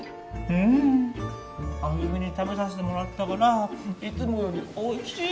うん歩美に食べさせてもらったからいつもよりおいしい！